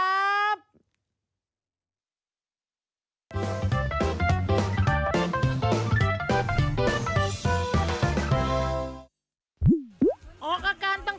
ออกอาการตั้งแต่วันเด็กเลยนะคุณน้อง